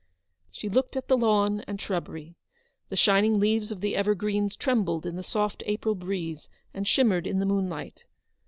She looked at the lawn and shrubbery. The shining leaves of the evergreens trembled in the soft April breeze, and shimmered in the moon light.